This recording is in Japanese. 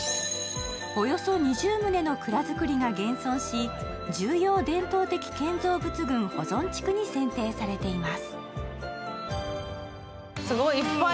およそ２０棟の蔵造りが現存し、重要伝統的建造物群保存地区に選定されています。